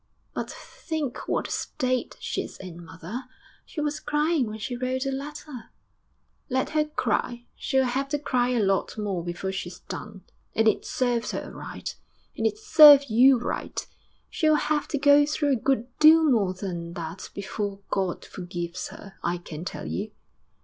'But think what a state she's in, mother. She was crying when she wrote the letter.' 'Let her cry; she'll have to cry a lot more before she's done. And it serves her right; and it serves you right. She'll have to go through a good deal more than that before God forgives her, I can tell you.'